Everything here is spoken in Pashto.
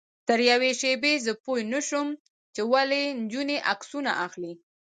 تر یوې شېبې زه پوی نه وم چې ولې نجونې عکسونه اخلي.